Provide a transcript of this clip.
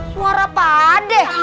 suara pak dek